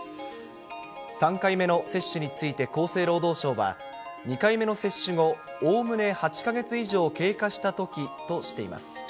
３回目の接種について厚生労働省は、２回目の接種後おおむね８か月以上経過したときとしています。